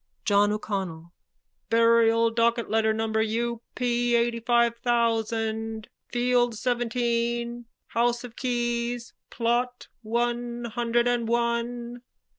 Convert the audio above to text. JOHN O'CONNELL: Burial docket letter number U. P. eightyfive thousand. Field seventeen. House of Keys. Plot, one hundred and one.